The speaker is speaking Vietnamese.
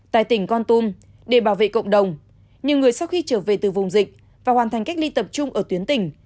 tại tỉnh con tum để bảo vệ cộng đồng nhiều người sau khi trở về từ vùng dịch và hoàn thành cách ly tập trung ở tuyến tỉnh